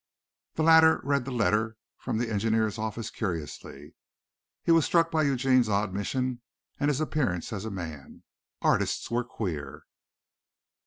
The latter read the letter from the Engineer's office curiously. He was struck by Eugene's odd mission and his appearance as a man. Artists were queer.